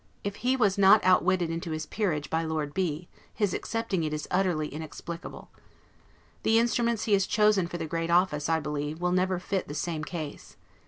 If he was not outwitted into his peerage by Lord B , his accepting it is utterly inexplicable. The instruments he has chosen for the great office, I believe, will never fit the same case.